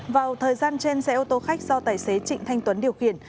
vào thời gian trên xe ô tô khách do tài xế trịnh thanh tuấn điều khiển